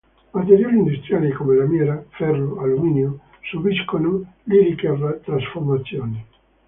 Materiali industriali come lamiera, ferro, alluminio, subiscono liriche trasformazioni.